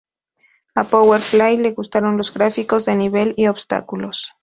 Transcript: A "Power Play" le gustaron los gráficos de nivel y obstáculos.